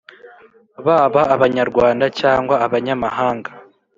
baba abanyarwanda cyangwa abanyamahanga